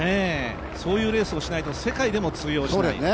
そういうレースをしないと世界でも通用しない。